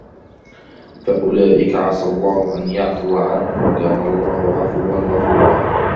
فَأُولَئِكَ عَسَى اللَّهُ أَنْ يَعْفُوَ عَنْهُمْ وَكَانَ اللَّهُ عَفُوًّا غَفُورًا